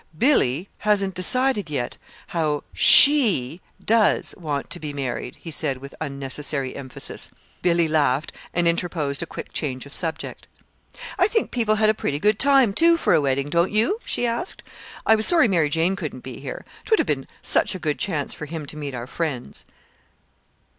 "Billy hasn't decided yet how she does want to be married," he said with unnecessary emphasis. Billy laughed and interposed a quick change of subject. "I think people had a pretty good time, too, for a wedding, don't you?" she asked. "I was sorry Mary Jane couldn't be here 'twould have been such a good chance for him to meet our friends."